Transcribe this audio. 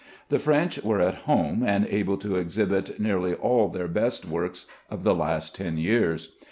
The French were at home and able to exhibit nearly all their best works of the last ten years.